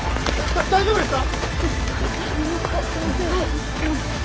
だっ大丈夫ですか！？